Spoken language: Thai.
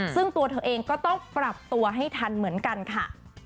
ซึ่งตัวเธอเองก็ต้องปรับตัวให้ทันเหมือนกันค่ะ